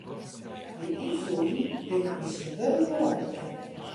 Dy ynfloeden binne yn syn wurk werom te kennen.